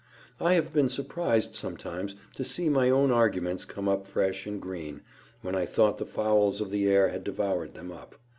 I have been surprised sometimes to see my own arguments come up fresh and green, when I thought the fowls of the air had devoured them up.